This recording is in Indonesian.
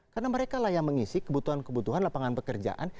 karena mereka lah yang mengisi kebutuhan kebutuhan lapangan pekerjaan